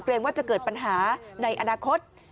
ว่าจะเกิดปัญหาในอนาคต